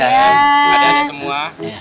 ada nih semua